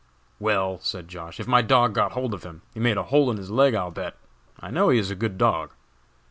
"Well," said Josh., "if my dog got hold of him, he made a hole in his leg, I'll bet. I know he is a good dog."